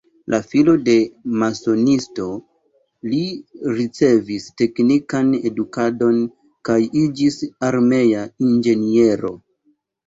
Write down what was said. La filo de masonisto, li ricevis teknikan edukadon kaj iĝis armea inĝeniero.